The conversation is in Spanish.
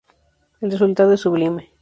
El resultado es sublime’’.